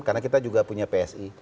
karena kita juga punya psi